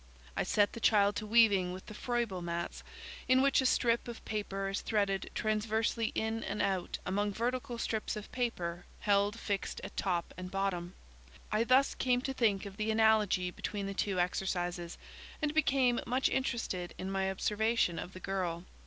I set the child to weaving with the Froebel mats, in which a strip of paper is threaded transversely in and out among vertical strips of paper held fixed at top and bot tom. I thus came to think of the analogy between the two exercises, and became much interested in my observation of the girl.